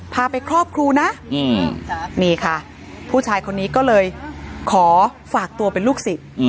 พาไปครอบครูนะนี่ค่ะผู้ชายคนนี้ก็เลยขอฝากตัวเป็นลูกศิษย์